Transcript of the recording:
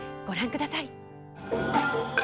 ご覧ください。